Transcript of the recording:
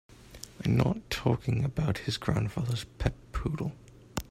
I'm not talking about his grandfather's pet poodle.